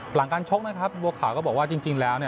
หลังการชกนะครับบัวขาวก็บอกว่าจริงแล้ว